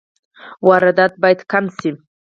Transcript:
واردات باید کم شي